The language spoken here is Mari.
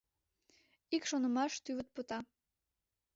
Ик шонымаш тӱвыт пыта.